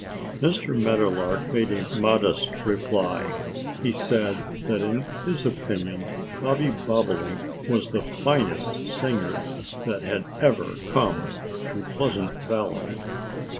Mr. Meadowlark made a modest reply. He said that in his opinion Bobby Bobolink was the finest singer that had ever come to Pleasant Valley.